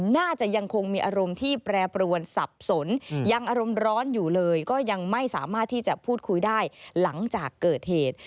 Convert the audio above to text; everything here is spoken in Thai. น่าจะยังคงมีอารมณ์ที่แปรปรวนสับสนยังอารมณ์ร้อนอยู่เลยก็ยังไม่สามารถที่จะพูดคุยได้หลังจากเกิดเหตุ